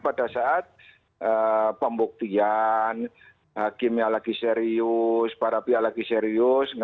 pada saat pembuktian hakimnya lagi serius para pihak lagi serius